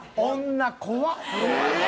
女怖っ。